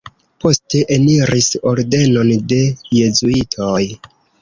Poste eniris ordenon de jezuitoj.